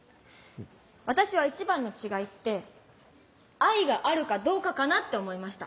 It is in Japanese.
私は一番の違いって愛があるかどうかかなって思いました。